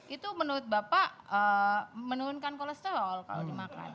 itu menurut bapak menurunkan kolesterol kalau dimakan